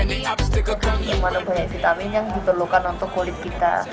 di mana banyak vitamin yang diperlukan untuk kulit kita